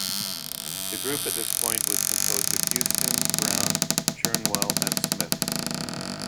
The group at this point was composed of Houston, Brown, Shernwell and Smith.